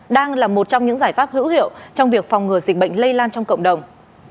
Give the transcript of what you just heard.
đang là một trong những giải pháp hữu hiệu trong việc phòng ngừa dịch bệnh lây lan trong cộng đồng